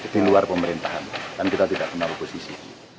di luar pemerintahan kan kita tidak pernah oposisi